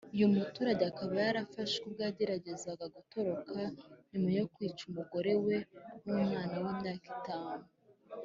Uyu muturage akaba yafashwe ubwo yageragezaga gutoroka nyuma yo kwica umugore we n’umwana w’imyaka itanu